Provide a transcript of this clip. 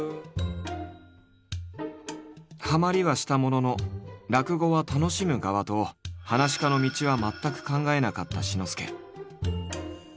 ハマりはしたものの「落語は楽しむ側」と噺家の道は全く考えなかった志の輔。